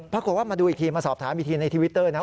มาดูอีกทีมาสอบถามอีกทีในทวิตเตอร์นะ